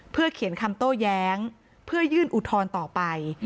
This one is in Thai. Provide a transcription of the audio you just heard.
เพื่อเขียนคำโต้แย้งเพื่อยื่นอุทธรณ์ต่อไป